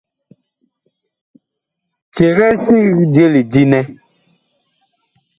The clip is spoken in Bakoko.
Cegee sig je lidi nɛ.